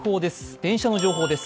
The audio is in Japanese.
電車の情報です。